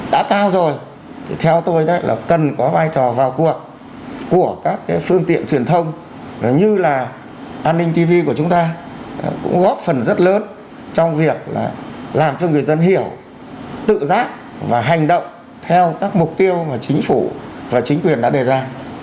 đã cao rồi thì theo tôi là cần có vai trò vào cuộc của các phương tiện truyền thông như là an ninh tv của chúng ta cũng góp phần rất lớn trong việc là làm cho người dân hiểu tự giác và hành động theo các mục tiêu mà chính phủ và chính quyền đã đề ra